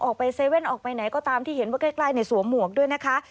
ออกไปเซเว่นออกไปไหนก็ตามที่เห็นว่าใกล้สวมหมวกด้วยนะคะ